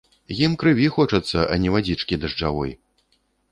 Ім крыві хочацца, а не вадзічкі дажджавой.